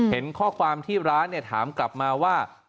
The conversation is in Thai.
เห็นข้อความที่ร้านถามกลับมาว่า